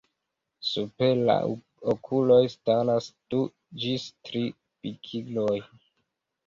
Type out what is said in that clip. Super la okuloj staras du ĝis tri pikiloj.